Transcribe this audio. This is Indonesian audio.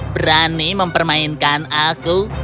berani mempermainkan aku